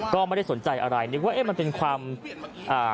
ก็ไม่ได้สนใจอะไรนึกว่าเอ๊ะมันเป็นความอ่า